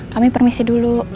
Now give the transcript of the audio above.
kami permisi dulu